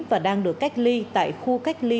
và đang được cách ly tại khu cách ly